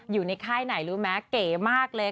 อยู่ในค่ายไหนรู้ไหมเก๋มากเลย